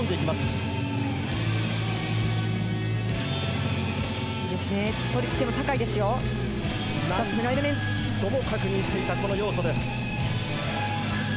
最も確認していたこの要素です。